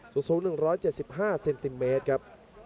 สูง๑๗๕เซนติเมตรครับ